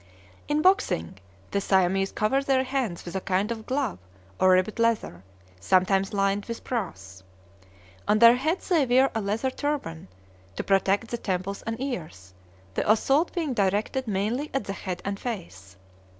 In boxing, the Siamese cover their hands with a kind of glove of ribbed leather, sometimes lined with brass. On their heads they wear a leather turban, to protect the temples and ears, the assault being directed mainly at the head and face.